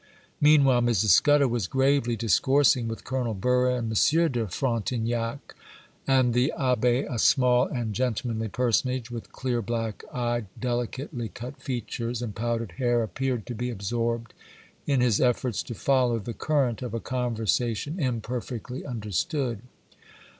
Meanwhile, Mrs. Scudder was gravely discoursing with Colonel Burr and M. de Frontignac; and the Abbé, a small and gentlemanly personage, with clear black eye, delicately cut features, and powdered hair, appeared to be absorbed in his efforts to follow the current of a conversation imperfectly understood.